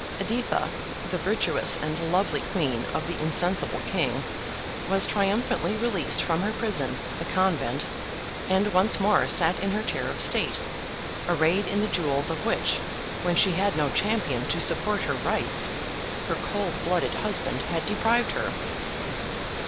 Editha, the virtuous and lovely Queen of the insensible King, was triumphantly released from her prison, the convent, and once more sat in her chair of state, arrayed in the jewels of which, when she had no champion to support her rights, her cold blooded husband had deprived her.